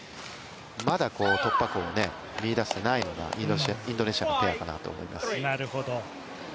まだ、突破口を見いだせていないのがインドネシアペアかなと思います。